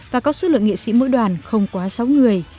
và có số lượng nghệ sĩ mỗi đoàn không quá sáu người